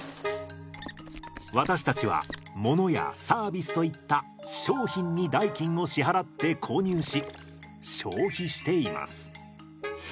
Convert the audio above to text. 私たちはものやサービスといった商品に代金を支払って購入し消費しています。